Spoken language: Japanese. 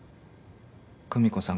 久美子さん